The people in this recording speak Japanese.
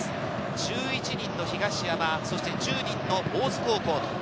１１人の東山、そして１０人の大津高校。